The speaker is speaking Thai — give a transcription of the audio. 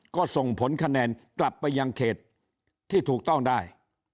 ก็ส่งผลคะแนนกลับไปยังเขตที่ถูกต้องได้